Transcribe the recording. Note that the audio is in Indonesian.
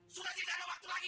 sudah tidak ada waktu lagi